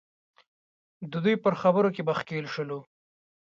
د دوی پر خبرو کې به ښکېل شولو.